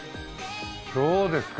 どうですか？